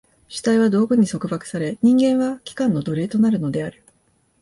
主体は道具に束縛され、人間は器官の奴隷となるのである。